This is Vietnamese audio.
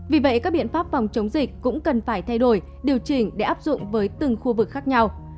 vì vậy các biện pháp phòng chống dịch cũng cần phải thay đổi điều chỉnh để áp dụng với từng khu vực khác nhau